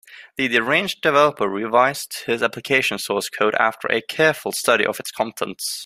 The deranged developer revised his application source code after a careful study of its contents.